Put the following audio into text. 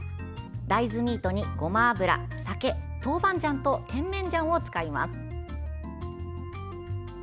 大豆ミートに、ごま油、酒豆板醤と甜麺醤を使います。